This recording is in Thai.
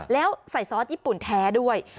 แล้วใส่ซอสญี่ปุ่นแท้ด้วย